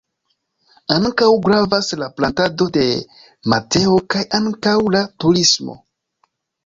Ankaŭ gravas la plantado de mateo kaj ankaŭ la turismo.